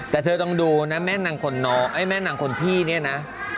แต่เธอต้องดูนะแม่หนังคนน้องอะแม่หนังคนนี้น่ะ